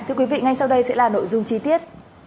thưa quý vị ngay sau đây sẽ là nội dung chi tiết